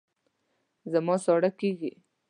زما ساړه کېږي